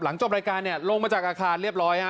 จบรายการเนี่ยลงมาจากอาคารเรียบร้อยฮะ